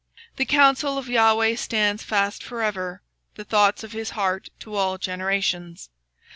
The counsel of the LORD standeth for ever, The thoughts of his heart to all generations.